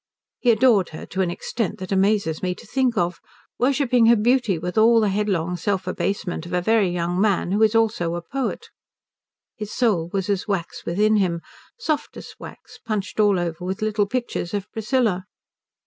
He adored her to an extent that amazes me to think of, worshipping her beauty with all the headlong self abasement of a very young man who is also a poet. His soul was as wax within him, softest wax punched all over with little pictures of Priscilla.